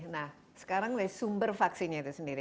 nah sekarang dari sumber vaksinnya itu sendiri